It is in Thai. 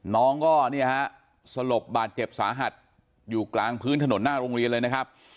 น้องก็เนี่ยฮะสลบบาดเจ็บสาหัสอยู่กลางพื้นถนนหน้าโรงเรียนเลยนะครับ